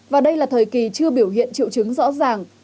và đây là thời kỳ chưa biểu hiện triệu chứng rõ ràng